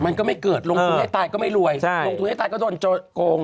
มันก็ไม่เกิดลงทุนให้ตายก็ไม่รวยลงทุนให้ตายก็โดนโกง